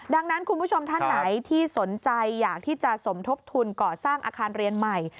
ดังนั้นคุณผู้ชมท่านไหนที่สนใจอยากที่จะสมทบทุนก่อสร้างอาคารเรียนใหม่